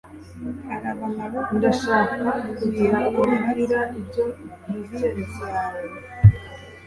karaba amaboko yuzuyeho amaraso muri lili yawe